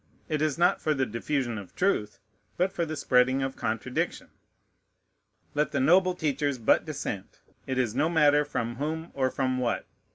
It is not for the diffusion of truth, but for the spreading of contradiction. Let the noble teachers but dissent, it is no matter from whom or from what.